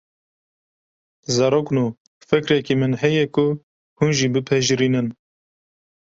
Zarokno, fikrekî min heye ku hûn jî pipejrînin